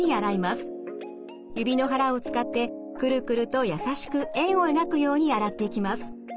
指の腹を使ってクルクルと優しく円を描くように洗っていきます。